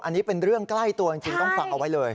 อันนี้เป็นเรื่องใกล้ตัวจริงต้องฟังเอาไว้เลย